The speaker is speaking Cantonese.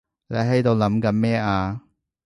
你喺度諗緊咩啊？